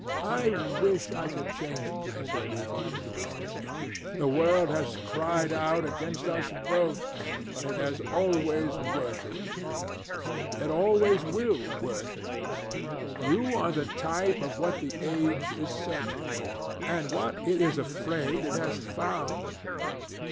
I wish I could change places with you, Dorian. The world has cried out against us both, but it has always worshipped you. It always will worship you. You are the type of what the age is searching for, and what it is afraid it has found.